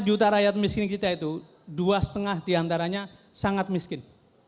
dua puluh juta rakyat miskin kita itu dua lima diantaranya sangat miskin